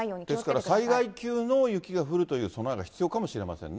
ですから災害級の雪が降るという備えが必要かもしれませんね。